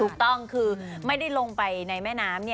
ถูกต้องคือไม่ได้ลงไปในแม่น้ำ